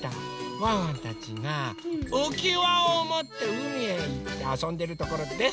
ワンワンたちがうきわをもってうみへいってあそんでるところです。